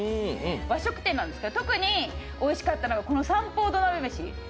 和食店なんですけど特においしかったのが三宝土鍋飯。